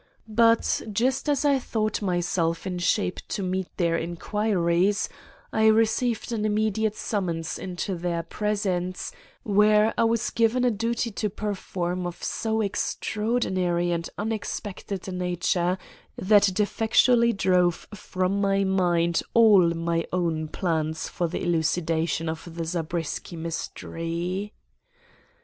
But just as I thought myself in shape to meet their inquiries, I received an immediate summons into their presence, where I was given a duty to perform of so extraordinary and unexpected a nature, that it effectually drove from my mind all my own plans for the elucidation of the Zabriskie mystery.